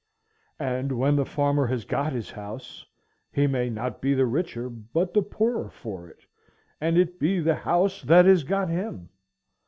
And when the farmer has got his house, he may not be the richer but the poorer for it, and it be the house that has got him.